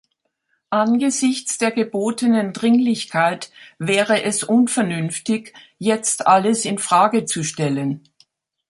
Angesichts der gebotenen Dringlichkeit wäre es unvernünftig, jetzt alles in Frage zu stellen.